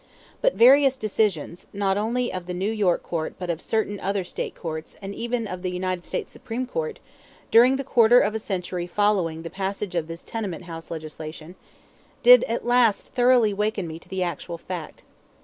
But various decisions, not only of the New York court but of certain other State courts and even of the United States Supreme Court, during the quarter of a century following the passage of this tenement house legislation, did at last thoroughly wake me to the actual fact.